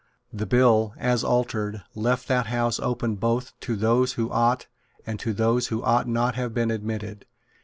The bill, as altered, left that House open both to those who ought and to those who ought not to have been admitted.